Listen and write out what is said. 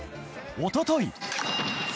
おととい。